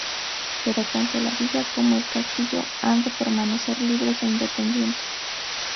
Pero tanto la villa como el castillo han de permanecer libres e independientes.